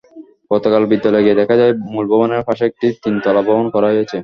গতকাল বিদ্যালয়ে গিয়ে দেখা যায়, মূল ভবনের পাশে একটি তিনতলা ভবন করা হয়েছে।